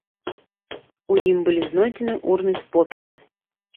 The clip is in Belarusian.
У ім былі знойдзены урны з попелам.